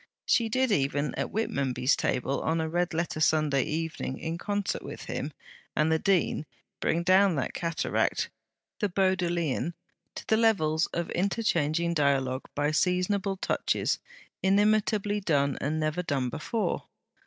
She did even, at Whitmonby's table, on a red letter Sunday evening, in concert with him and the Dean, bring down that cataract, the Bodleian, to the levels of interchanging dialogue by seasonable touches, inimitably done, and never done before.